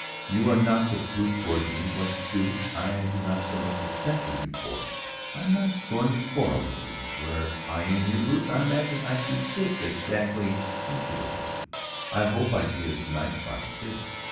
You are not the brute toward me; what you do, I do not so much as censure you for. I am not going to quarrel with you; were I in your boots I imagine I'd do just exactly as you are doing. I hope I'd be as nice about it, too.